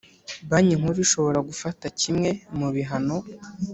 Banki Nkuru ishobora gufata kimwe mu bihano